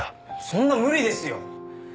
そんな無理ですよ